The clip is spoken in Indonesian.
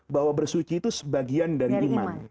bahwa bersuci itu sebagian dari iman